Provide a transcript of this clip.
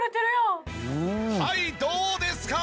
はいどうですか？